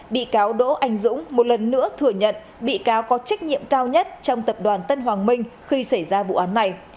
bị cáo đỗ anh dũng một lần nữa thừa nhận bị cáo có trách nhiệm cao nhất trong tập đoàn tân hoàng minh khi xảy ra vụ án này